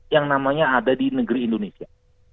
yang namanya ada di negeri indonesia